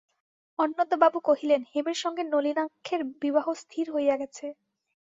অন্নদাবাবু কহিলেন, হেমের সঙ্গে নলিনাক্ষের বিবাহ স্থির হইয়া গেছে।